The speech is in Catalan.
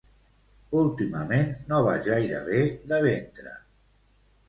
Últimament no vaig gaire bé de ventre